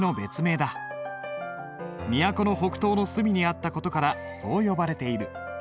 都の北東の隅にあった事からそう呼ばれている。